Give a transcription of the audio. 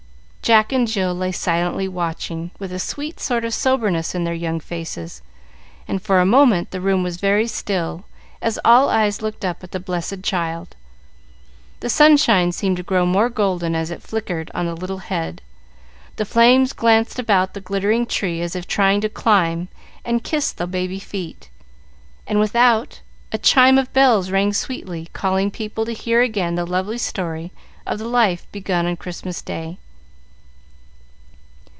Jack and Jill lay silently watching, with a sweet sort of soberness in their young faces, and for a moment the room was very still as all eyes looked up at the Blessed Child. The sunshine seemed to grow more golden as it flickered on the little head, the flames glanced about the glittering tree as if trying to climb and kiss the baby feet, and, without, a chime of bells rang sweetly, calling people to hear again the lovely story of the life begun on Christmas Day.